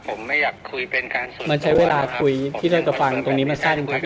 ผมไม่อยากคุยเป็นการส่วนตัวผมไม่อยากคุยกับผม